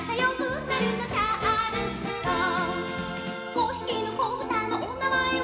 「ごひきのこぶたのおなまえは」